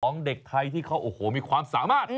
ของเด็กไทยที่เขาโอ้โหมีความสามารถ